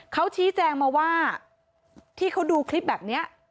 เขาชี้แจงมาว่าที่เขาดูคลิปแบบนี้